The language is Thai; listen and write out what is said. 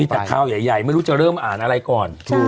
แต่ข่าวใหญ่ไม่รู้จะเริ่มอ่านอะไรก่อน